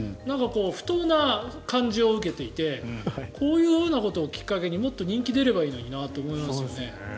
不当な感じを受けていてこういうことをきっかけにもっと人気が出ればいいのになって。